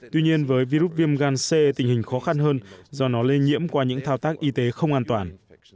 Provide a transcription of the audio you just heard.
tuy nhiên với virus viêm gan c tình hình khó khăn hơn do nó lây nhiễm qua những thao tác y tế không an toàn